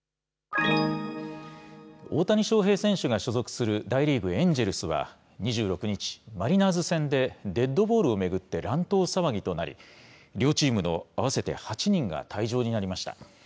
大谷翔平選手が所属する大リーグ・エンジェルスは２６日、マリナーズ戦でデッドボールを巡って乱闘騒ぎとなり、両チームの合わせて８人が退場になりました。